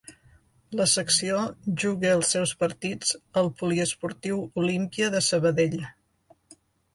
La secció juga els seus partits al Poliesportiu Olímpia de Sabadell.